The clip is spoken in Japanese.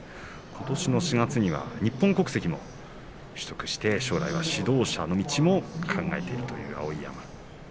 ことしの４月には日本国籍も取得して将来は指導者の道も考えているという碧山。